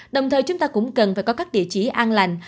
đồng thời chúng ta cũng cần phải có các địa chỉ an lành